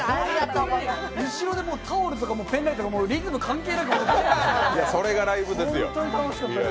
後ろでタオルとかペンライトとかリズム関係なく本当に楽しかったです。